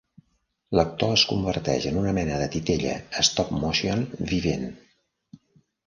L'actor es converteix en una mena de titella stop-motion vivent.